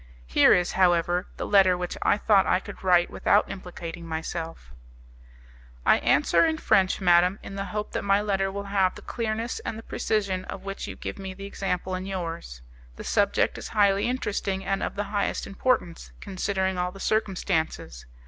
Here is, however, the letter which I thought I could write without implicating myself: "I answer in French, madam, in the hope that my letter will have the clearness and the precision of which you give me the example in yours. "The subject is highly interesting and of the highest importance, considering all the circumstances.